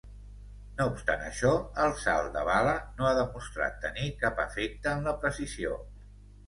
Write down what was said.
No obstant això, el "salt de bala" no ha demostrat tenir cap efecte en la precisió.